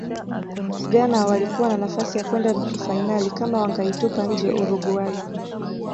ghana walikuwa na nafasi ya kwenda nusu fainali kama wangaitupa nje uruguay